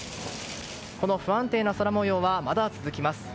この不安定な空模様はまだ続きます。